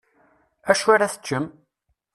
Acu ara teččem?